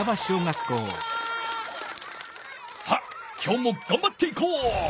さあきょうもがんばっていこう！